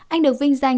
anh được vinh danh